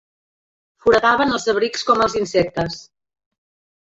Foradaven els abrics com els insectes.